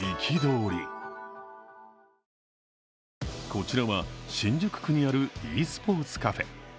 こちらは、新宿区にあるｅスポーツカフェ。